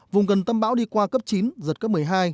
vùng gần tâm bão đi qua cấp chín giật cấp một mươi hai